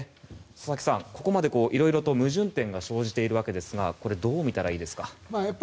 佐々木さん、ここまで色々と矛盾点が生じているわけですがこれ、どう見たらいいですか？